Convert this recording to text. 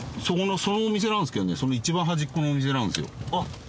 そのお店なんですけどねそのいちばん端っこのお店なんですよ。